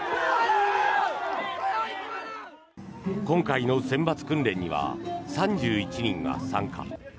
今回の選抜訓練には３１人が参加。